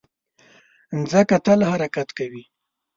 مځکه تل حرکت کوي.